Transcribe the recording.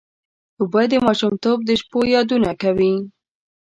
اوبه د ماشومتوب د شپو یادونه کوي.